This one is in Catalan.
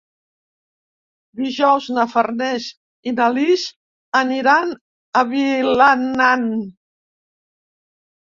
Dijous na Farners i na Lis aniran a Vilanant.